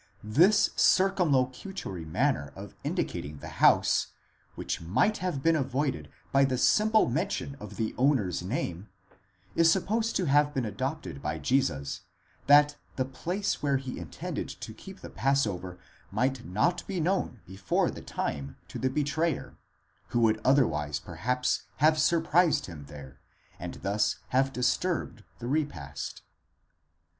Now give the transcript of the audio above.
This circumlocutory manner of indicating the house, which might have been avoided by the simple mention of the owner's name, is sup posed to have been adopted by Jesus, that the place where he intended to keep the passover might not be known before the time to the betrayer, who would otherwise perhaps have surprised him there, and thus have disturbed the repast.